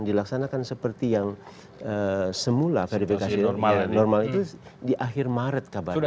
dilaksanakan seperti yang semula verifikasi normal itu di akhir maret kabarnya